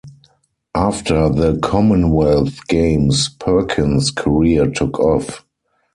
After the Commonwealth Games, Perkins' career took off.